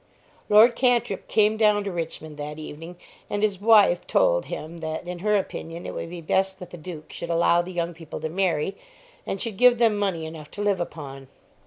Lord Cantrip came down to Richmond that evening, and his wife told him that in her opinion it would be best that the Duke should allow the young people to marry, and should give them money enough to live upon.